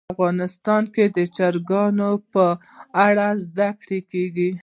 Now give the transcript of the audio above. افغانستان کې د چرګانو په اړه زده کړه کېږي.